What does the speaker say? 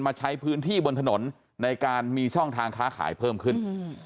มาใช้พื้นที่บนถนนในการมีช่องทางค้าขายเพิ่มขึ้น